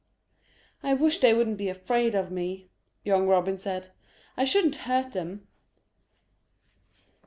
"I wish they wouldn't be afraid of me," young Robin said. "I shouldn't hurt them."